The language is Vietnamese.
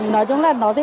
nói chung là nó thì